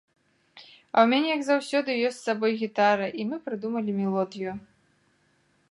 А ў мяне як заўжды ёсць з сабой гітара, і мы прыдумалі мелодыю.